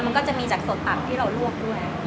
มันก็จะมีจากส่วนตับที่เราลวกด้วย